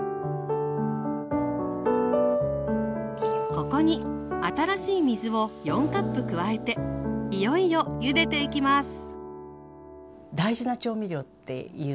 ここに新しい水を４カップ加えていよいよゆでていきますお！